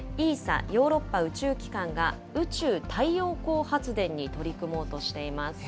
ＥＳＡ・ヨーロッパ宇宙機関が宇宙太陽光発電に取り組もうとしています。